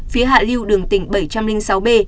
phía hạ lưu đường tỉnh bảy trăm linh sáu b